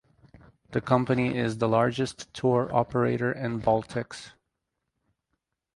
The company is the largest tour operator in Baltics.